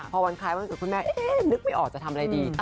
พอวันคล้ายวันเกิดคุณแม่นึกไม่ออกจะทำอะไรดี